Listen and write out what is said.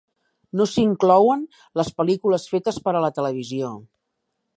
No s'inclouen les pel·lícules fetes per a la televisió.